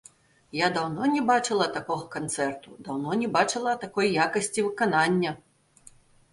Я даўно не бачыла такога канцэрту, даўно не бачыла такой якасці выканання.